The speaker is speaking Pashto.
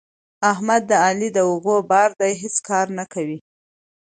احمد د علي د اوږو بار دی؛ هیڅ کار نه کوي.